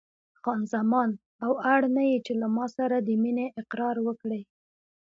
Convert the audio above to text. خان زمان: او اړ نه یې چې له ما سره د مینې اقرار وکړې.